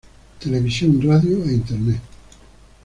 Tv, Radio e Internet.